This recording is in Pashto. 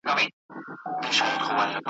دا تخمونه زرغونیږي او لوییږي ,